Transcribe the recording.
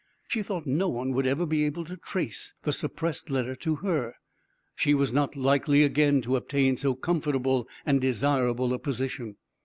She thought no one would ever be able to trace the suppressed letter to her. She was not likely again to obtain so comfortable and desirable a position.